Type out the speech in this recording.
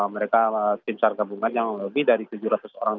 mereka tim sar gabungan yang lebih dari tujuh ratus orang